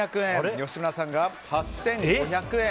吉村さんが８５００円。